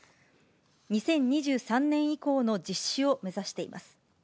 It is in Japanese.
２０２３年以降の実施を目指しています。